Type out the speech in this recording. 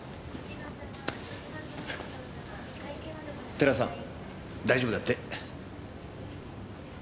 寺さん大丈夫だって。